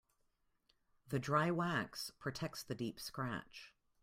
The dry wax protects the deep scratch.